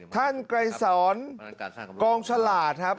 ท่านไกรสรกองฉลาดครับ